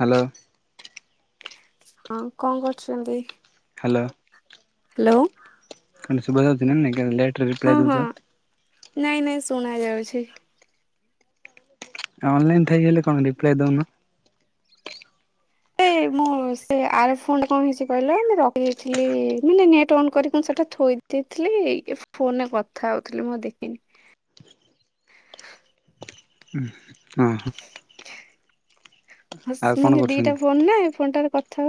Hello ହଁ କଣ କରୁଛନ୍ତି?? ହ୍ୟାଲୋ ହ୍ୟାଲୋ ଶୁଭା ଯାଉଛି ନା ନାହିଁ ଲେଟରେ ହଁ ରିପ୍ଲାଏ ହଁ ଦଉଚ ନାଇଁ ନାଇଁ ଶୁଣା ଯାଉଛି। ଅନଲାଇନ ଥାଇ ହେଲେ କଣ ରିପ୍ଲାଏ ଦଉନ? ଏ ମୁଁ ସେ ଆର ଫ କଣ ହେଇଛି କହିଲ ମୁଁ ରଖିାଇଥିଲି ମାନେ ନେଟ୍ ଅନ୍ କରିକି ସେଟା ଥୋଇ ଦେଇଥିଲି ଫୋନରେ କଥା ହଉଥିଲି ମୁଁ ଦେଖିନି। ଓ ହୋ ହ ଆଉ କଣ ମାନେ ଦିଟା କରୁଛନ୍ତି ଫୋନ ନା ଫୋନଟାର କଥା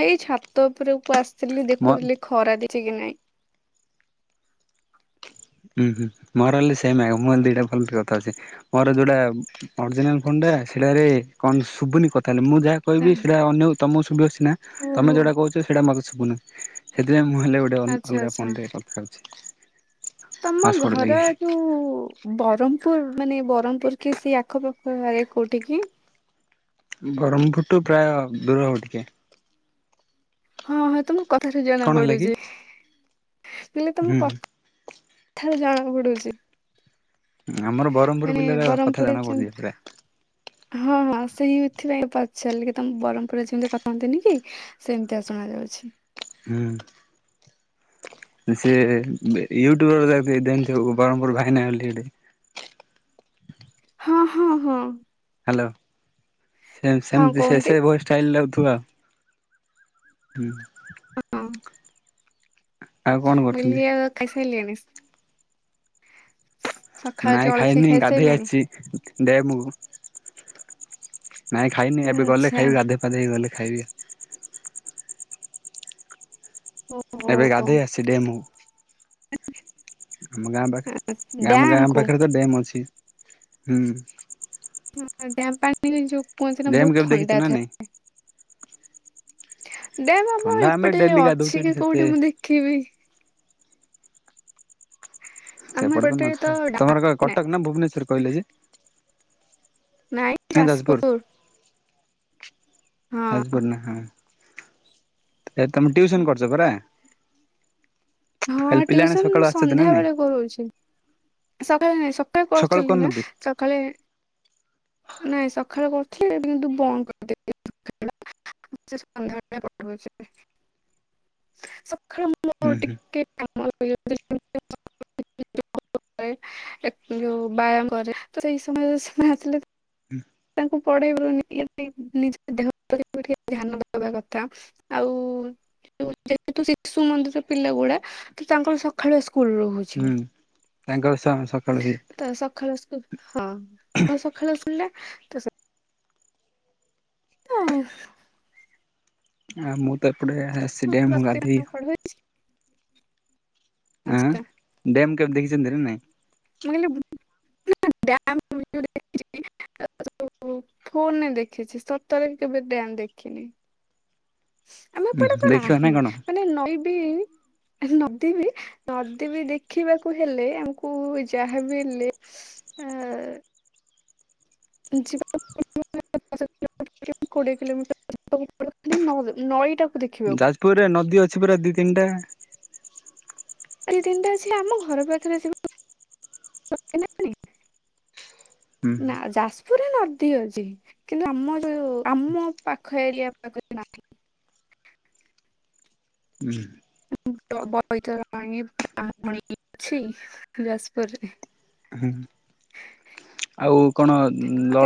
ଏଇ ଛାତ ଉପରକୁ ଆସିଥିଲି ମୋ ଦେଖୁଥିଲି ଖରା ଦେଇଛି କି ନାଇଁ। ହୁଁ ହୁଁ ମୋର ହେଲେ ସେମ ଆଗ ମୁଁଲେ ଦିଇଟା ଭଲ କଥା ଅଛି। ମୋର ଯୋଉଟା ଅଜିନାଲ ଫୋନ ଟା ସେଟାରେ କଣ ଶୁଭୁନି କଥା ହେଲେ ମୁଁ ଯାହା କହିବି ସେଇଟା ଅନ୍ୟ ତୁମକୁ ଶୁି ଅସି ନା ତମେ ଓହୋ ଯେଉଁଟା କହୁଛ ସେଇଟା ମୋେ ଶୁହଁଥିାଇ ମୁଁ ହେଲେ ଗୋଟେ ଗ ଆଚ୍ଛା ଅଲଗା ଆଚ୍ଛା। ଫୋନ୍ ରେ କଥା ହଉଚି। ତମ ଘର ଯୋଉ ବ୍ରହ୍ମପୁର ମାନେ ବ୍ରହ୍ମପୁର କି ସେଇ ଆଖପାଖରେ କୋଉଠି କି? ବ୍ରହ୍ମପୁଠୁ ପ୍ରାୟ ଦୂର ହବ ଟିକେ। ହଁ ହଁ ତମକୁ କଥାଠୁ ଜଣା କଣ ହେଲା କି ପଡୁଛି। ପିଲେ ତମ ହୁଁ କଥାରୁ ଜଣା ପଡୁଛି। ଆମର ବ୍ରହ୍ମପୁର ମାନେ ପିଲାର କଥା ବ୍ରହ୍ମପୁରରେ ଜଣା ପଡୁନି ଯେମତି ପୁରା। ହଁ ହଁ ସେଇ ଏଥିପାଇଁ ପଚାରିଲ କି ତମେ ବ୍ରହ୍ମପୁରରେ ଯେମିତି କଥାନ୍ତିନି କି ସେମିତି ଶୁଣ ଯାଉଛି। ହୁଁ ସେ ୟୁଟ୍ୟୁବରେ ଦେଖ ଦେ ବରହମପୁର ଭାଇନା ହେଲି। ହଁ ହଁ ହଁ। ହ୍ୟାଲୋ ସେମ୍ ହଁ ସେମ୍ ସେ କହୁନାହାନ୍ତି ସେ ଷ୍ଟାଇଲ ଲାଗଥିବ ଆ ହଁ ଆଉ କଣ ମୁଁ କରୁଛନ୍ତି। କହିଲି ଆଉ ଖାଇସାଇଲେଣି। ସକାଳ ନାଇଁ ଜଳଖିଆ ଖାଇନି ଗାଧେଇ ଖାଇସାରିଲେଣି ଆସିଚ୍। ଦେ ମୁଁ ନାଇଁ ଖାଇନି ଏବେ ଗଲେ ଆଚ୍ଛା ଖାଇବି ଗଧୋଇ ପାଧେଇ ହେଇ ଗଲେ ଖାଇବି। ଓ ଏବେ ଗାଧେଇ ଆସିଲେ ମୁଁ। ଆମ ଗାଁ ପାଖରେ ଗାଁ ଆମ ଡ୍ୟାମ ଗାଁ କୁ ପାଖରେ ତ ଡ୍ୟାମ୍ ଅଛି ହୁଁ ହ ଡ୍ଯାମ ପାଣି ଯୋଉ କୁହନ୍ତି ନା ଡ୍ୟାମ୍ ବହୁତ କେବେ ଦେଖିଛୁ ଥଣ୍ଡା ନା ଥାଏ। ନାଇଁ? ଡ୍ୟାମ ଆମ ଥଣ୍ଡା ଆମେ ଏପଟେ ଡେଲି ଗାଧଉଛୁ ଅଛି ଏଠି କି ସେତେ କୋଉଠି ମୁଁ ଦେଖିବି ଆମ ସେପଟ ତ ଏପଟେ ନ ତମର ଡ୍ୟାମ ନାହିଁ। କଟକ ନା ଭୁବନେଶ୍ୱର କହିଲେ ଯେ। ନାଇଁ ଯାଜପୁର। ଆ ହଁ ପଡ଼ ନା ହଁ ତମେ ଟିଉସନ୍ କରୁଚ ପରା। ହଁ ଖାଲି ପିଲାମାନେ ଟ୍ୟୁସନ ସକାଳୁ ମୁଁ ଆସୁଛନ୍ତି ନା ସନ୍ଧ୍ୟା ନାଇଁ ବେଳେ କରୁଚି। ସକାଳେ ନାଇଁ ସକାଳେ ସକାଳୁ କରୁଥିଲି ନା କରୁନାହାନ୍ତି ସକାଳେ ନାଇଁ ସକାଳୁ କରୁଥିଲ କିନ୍ତୁ ବନ୍ଦ କରିଦେଲି ବେ [inaudible] ହୁଁ ମୋର ହୁଁ ଟିକେ କାମ [unintelligible] ଯଉ ବ୍ୟାୟାମ କରେ ତ ସେଇ ସମୟରେ ସେମାନେ ଆସିଲେ [unintelligible] ହୁଁ। ତାଙ୍କୁ ପଢେଇବାରୁ ନିଜ ଦେହ ଟିକେ ଧ୍ୟାନ ଦେବା କଥା। ଆଉ ଯେହେତୁ ଶିଶୁ ମନ୍ଦିର ପିଲା ଗୁଡା ତ ତାଙ୍କର ସକାଳୁଆ ସ୍କୁଲ ରହୁଚି। ହୁଁ ତାଙ୍କର ସକାଳୁ ହିଁ। ତ ସକାଳୁ ସ୍କୁଲ ହଁ ସକାଳୁ ଶରିଲା ତ ତ [inaudible] ଆ ମୁଁ ତ ଏପଟେ ହଁ ଆସିଡେ ମୁଁ ବସ୍ ଗାଧେଇ କଡ ହେଇଛି [unintelligible] ହଁ ଡ୍ୟାମ୍ କେବେ ଦେଖିଛନ୍ତି ନା ନାଇଁ। ମୁ [unintelligible] ଫୋନରେ ଦେଖିଛି ସତରେ କେବେ ଡ୍ୟାମ ଦେଖିନି। ଆମ ଉଁ ଏପଟେ ତ ଦେଖିବା ନା ନାହିଁ କଣ ମାନେ ନଈବି ନଦୀ ବି ନଦୀ ବି ଦେଖିବାକୁ ହେଲେ ଆମକୁ ଯାହାବି ହେଲେ ଆ। [unintelligible] କୋଡିଏ କିଲୋମିଟର ନଈଟା [unintelligible] ଯାଜପୁରରେ ନଦୀ ଅଛି ପୁରା ଦି ତିନି ଟା। ସେ ଦି ତିନଟା ଅଛି ଆମ ଘର ପାଖରେ ଯିବା ନା ହୁଁ ଯା ଯାଜପୁରରେ ନଦୀ ଅଛି କିନ୍ତୁ ଆମ ଯୋଉ ଆମ ପାଖ ଏରିଆ ପାଖରେ ନା ହୁଁ। ଣ [unintelligible] ପ୍ରାଣି ଅଛି ଯାଜପୁରରେ ଆଉ କଣ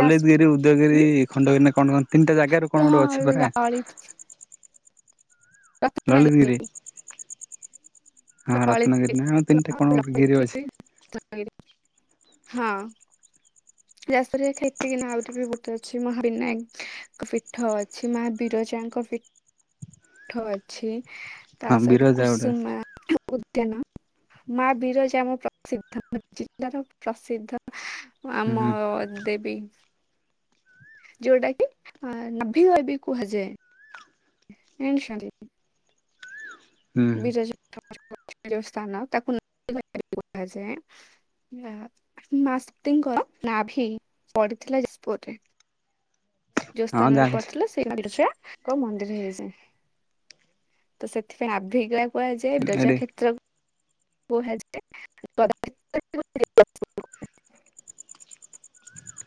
ଯାଜ ଉଦୟଗିରି ଖଣ୍ଡଗିରି କଣ ତିନିଟା ଜାଗାରୁ କଣ ଗୋଟେ ହଁ ଅଛି ପରା। ଲଳିତ ରତ୍ନଗିରି ଲଳିତଗିରି ହଁ ରତ୍ନଗିରି ନା ଆମ ଲଳିତଗିରି ତିନିଟା କଣ ଗୋଟେ ଗିରି ଅଛି। ଲଳିତଗିରି ହଁ। ଯାଜପୁରରେ ଖେତିକି ନୁହେଁ ଆହୁରି ବି ଗୋଟେ ଅଛି ମହା ବିିନାୟକ ପୀଠ ଅଛି ମା ବିରଜାଙ୍କ ପୀଠ ପୀଠ ଅଛି ତା ହଁ ସଇତ ବିରଜା ଗୋଟେ ଅଛି କୁସୁମା ଉଦ୍ୟାନ। ମା ବିରଜା ଆମ ପ୍ରସିଦ୍ଧ ଜିଲ୍ଲାର ପ୍ରସିଦ୍ଧ। ଆମ ହୁଁ ଦେବୀ ଯୋଉଟା କି ଅ ନାଭି ଗୟା ବି କୁହାଯାଏ। [unintelligible] ହୁଁ [unintelligible] ସ୍ଥାନ ତାକୁ ନାଭିଗୟା କୁହାଯାଏ। [unintelligible] ନାଭି ପଡିଥିଲା ଯଜପୁରରେ। ଯୋଉ ହଁ ସ୍ଥାନରେ ଜାଣିଛି ପଡିଥିଲା ସେ [unintelligible] କୁହାଯାଏ ବୀରଜା ଏଠି କ୍ଷେତ୍ର କୁହାଯାଏ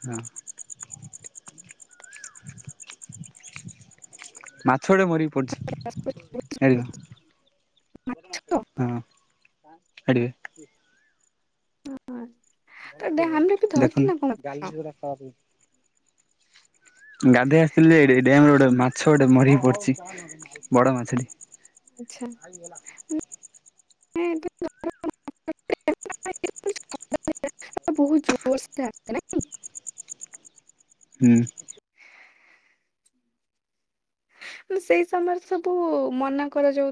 ହଁ। ମାଛ ଉଡ଼ା ମରିକି ପଡ଼ିଚି। ଛାଡ଼ିବ ହଁ ମାଛ ଛାଡ଼ିବେ। [unintelligible] [unintelligible] ଗାଧଇ ଆସିଥିଲି ଯେ ଏଠି ଡ୍ୟାମରେ ଗୋଟେ ମାଛ ଗୋଟେ ମରିକି ପଡିଛି ବଡ ମାଛଟି। ଆଚ୍ଛା [unintelligible] [unintelligible] ବୋହୁତ ଜୋରସେ ଆସେ ହୁଁ। ମାନେ ସେଇ ସମୟରେ ସବୁ ମନା କରାଯାଉଥି